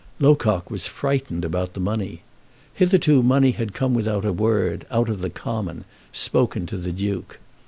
Locock was frightened about the money. Hitherto money had come without a word, out of the common, spoken to the Duke.